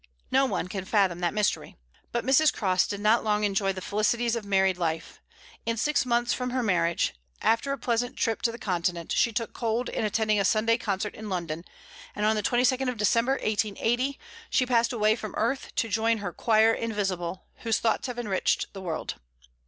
No one can fathom that mystery. But Mrs. Cross did not long enjoy the felicities of married life. In six months from her marriage, after a pleasant trip to the Continent, she took cold in attending a Sunday concert in London; and on the 22d of December, 1880, she passed away from earth to join her "choir invisible," whose thoughts have enriched the world.